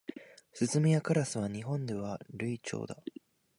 スズメやカラスは日本では留鳥だ。